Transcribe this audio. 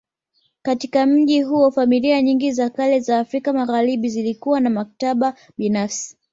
Katika mji huo familia nyingi za kale za Afrika Magharibi zilikuwa na maktaba binafsi